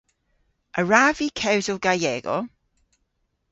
A wrav vy kewsel Gallego?